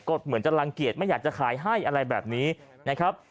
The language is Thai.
ก็เหมือนจะรังเกียจไม่อยากจะขายให้อะไรแบบนี้นะครับ